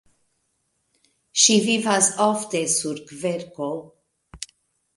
Ĝi vivas ofte sur kverko.